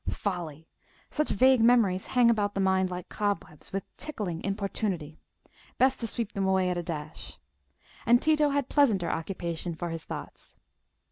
Folly! such vague memories hang about the mind like cobwebs, with tickling importunity—best to sweep them away at a dash: and Tito had pleasanter occupation for his thoughts.